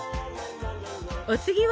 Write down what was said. お次は？